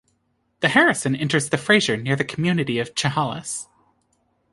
The Harrison enters the Fraser near the community of Chehalis.